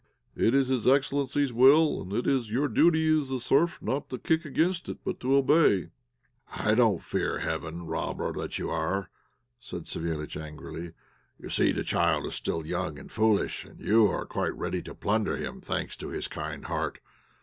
It is his excellency's will, and it is your duty as a serf not to kick against it, but to obey." "You don't fear heaven, robber that you are," said Savéliitch, angrily. "You see the child is still young and foolish, and you are quite ready to plunder him, thanks to his kind heart.